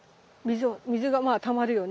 水がまあたまるよね。